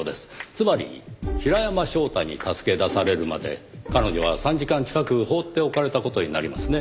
つまり平山翔太に助け出されるまで彼女は３時間近く放っておかれた事になりますね。